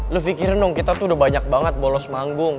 lo pikirin dong kita tuh udah banyak banget bolos manggung